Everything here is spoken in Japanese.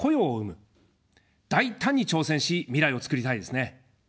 大胆に挑戦し、未来を作りたいですね。